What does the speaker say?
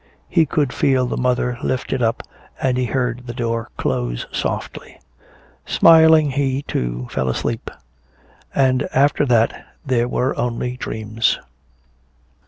He could feel the mother lift it up, and he heard the door close softly. Smiling he, too, fell asleep. And after that there were only dreams.